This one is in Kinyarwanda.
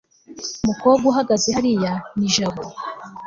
umukobwa uhagaze hariya ni jabo